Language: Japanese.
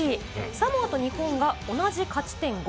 サモアと日本が同じ勝ち点５。